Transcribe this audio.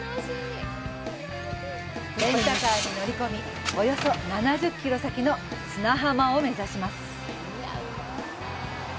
レンタカーに乗り込みおよそ７０キロ先の砂浜を目指します。